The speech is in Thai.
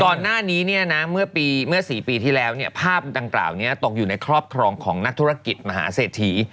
ก่อนหน้านี้เนี่ยนะเมื่อ๔ปีที่แล้วเนี่ยภาพดังกล่าวนี้ตกอยู่ในครอบครองของนักธุรกิจมหาเศรษฐี